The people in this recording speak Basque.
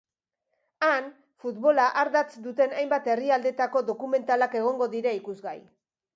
Han, futbola ardatz duten hainbat herrialdetako dokumentalak egongo dira ikusgai.